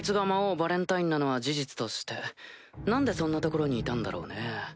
ヴァレンタインなのは事実として何でそんな所にいたんだろうね。